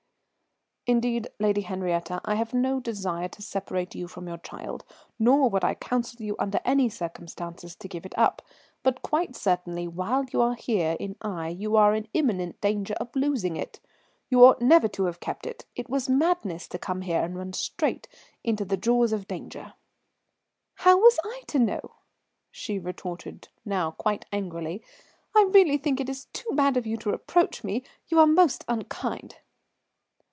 "Indeed, Lady Henriette, I have no desire to separate you from your child, nor would I counsel you under any circumstances to give it up. But quite certainly while you are here in Aix you are in imminent danger of losing it. You ought never to have kept it it was madness to come here and run straight into the jaws of danger." "How was I to know?" she retorted, now quite angrily. "I really think it is too bad of you to reproach me. You are most unkind."